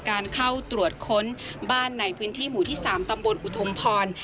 การเข้าตรวจค้นบ้านในพื้นที่หมู่ที่๓ตำบลอุทุมพร